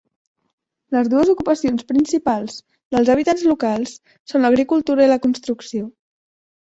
Les dues ocupacions principals dels habitants locals són l'agricultura i la construcció.